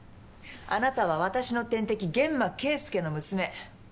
あなたは私の天敵諫間慶介の娘。